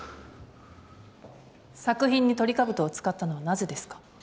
作品にトリカブトを使ったのはなぜですか？